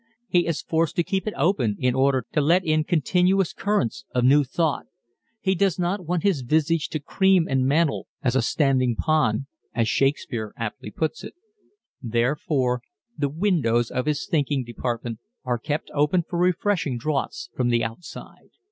He is forced to keep it open in order to let in continuous currents of new thought. He doesn't want his visage to "cream and mantle as a standing pond" as Shakespeare aptly puts it therefore the windows of his thinking department are kept open for refreshing draughts from the outside.